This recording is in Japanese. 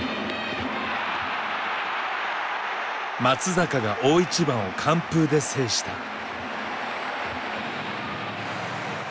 松坂が大一番を完封で制した。